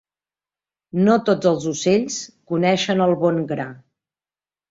No tots els ocells coneixen el bon gra.